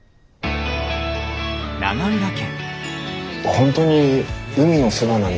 本当に海のそばなんですね。